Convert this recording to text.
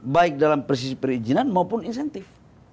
baik dalam posisi perizinan maupun insentif